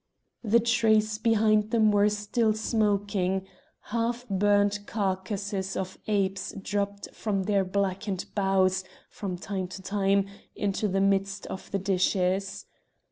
The trees behind them were still smoking; half burned carcases of apes dropped from their blackened boughs from time to time into the midst of the dishes.